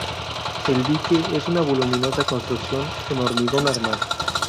El dique es una voluminosa construcción en hormigón armado.